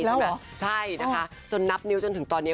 ใช่ไหมใช่นะคะจนนับนิ้วจนถึงตอนนี้